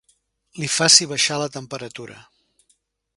Li faci baixar la temperatura.